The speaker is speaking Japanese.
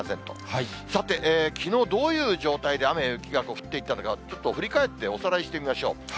さて、きのうどういう状態で、雨や雪が降っていったのか、ちょっと振り返っておさらいしてみましょう。